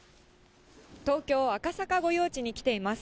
東京・赤坂御用地に来ています。